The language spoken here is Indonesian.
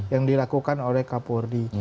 yang dilakukan oleh kapolri